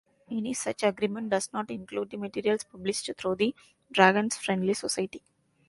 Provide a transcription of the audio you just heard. Any such agreement does not include the materials published through "The Dragons Friendly Society".